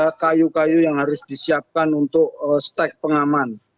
ada kayu kayu yang harus disiapkan untuk stek pengaman